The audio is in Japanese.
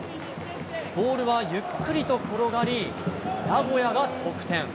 ボールはゆっくりと転がり、名古屋が得点。